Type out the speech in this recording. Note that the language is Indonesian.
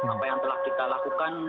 apa yang telah kita lakukan